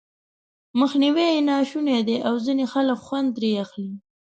مخنيوی یې ناشونی دی او ځينې خلک خوند ترې اخلي.